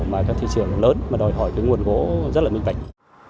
mà các thị trường lớn mà đòi hỏi cái nguồn gỗ rất là minh bạch